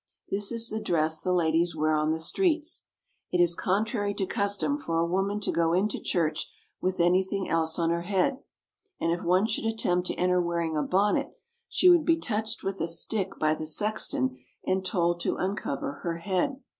This is the dress the ladies wear on the streets. It is contrary to custom for a woman to go into church with anything else on her head, and if one should attempt to enter wearing a bonnet she would be touched with a stick by the sexton and told to uncover her head.